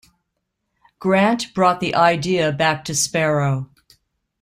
Grant brought the idea back to Sparrow.